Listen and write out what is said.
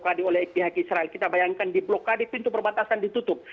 kita bayangkan di blokade pintu perbatasan ditutup